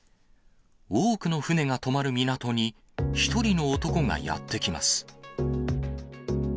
多くの船が泊まる港に、一人の男がやって来ます。